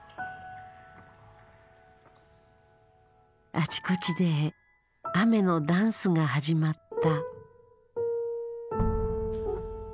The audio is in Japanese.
あちこちで雨のダンスが始まった。